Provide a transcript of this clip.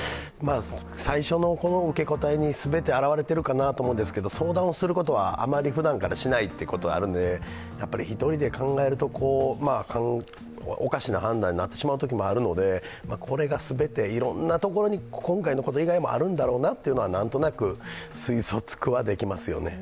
最初の受け答えに全て表れているかなと思うんですけど、相談をすることは、あまりふだんからしないとあるので、やっぱり１人で考えるとおかしな判断になってしまうこともあるので、これが全ていろんなところに、今回のこと以外にもあるんだろうなというのは、何となく推測はできますよね。